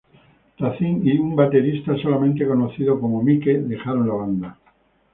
Racine y un baterista solamente conocido como Mike dejaron la banda.